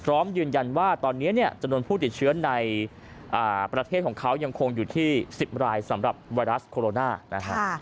พร้อมยืนยันว่าตอนนี้เนี่ยจำนวนผู้ติดเชื้อในประเทศของเขายังคงอยู่ที่๑๐รายสำหรับไวรัสโคโรนานะฮะ